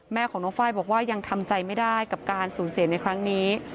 แม่ของน้องไฟล์บอกว่ายังทำใจไม่ได้กับการสูญเสียในครั้งนี้